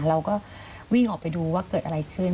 เราก็วิ่งออกไปดูว่าเกิดอะไรขึ้น